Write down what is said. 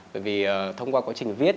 bởi vì thông qua quá trình viết